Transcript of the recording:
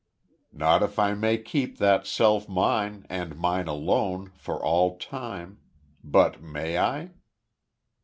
"Not if I may keep that self mine, and mine alone, for all time. But may I?"